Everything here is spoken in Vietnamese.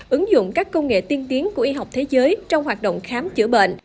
ứng dụng các công nghệ tiên tiến của y học thế giới trong hoạt động khám chữa bệnh